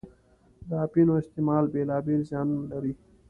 د اپینو استعمال بېلا بېل زیانونه لري.